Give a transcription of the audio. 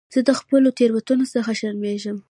زه د خپلو تېروتنو څخه شرمېږم.